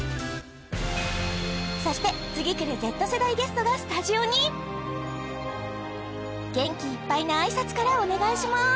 そして次くるＺ世代ゲストがスタジオに元気いっぱいの挨拶からお願いします